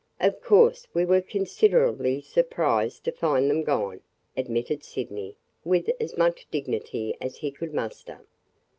"Of course, we were considerably surprised to find them gone," admitted Sydney with as much dignity as he could muster.